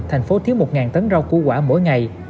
thành phố thiếu một tấn rau củ quả mỗi ngày